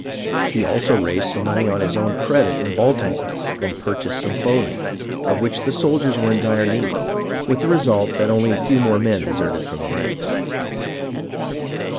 THE BEGINNING OF THE END 365 He also raised some money on his own credit in Baltimore and purchased some clothing, of which the soldiers were in dire need, with the result that only a few more men deserted from the ranks.